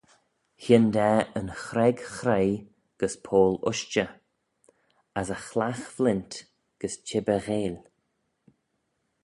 Hyndaa yn chreg chreoi gys poyll-ushtey: as y chlagh-flint gys chibbyr gheill.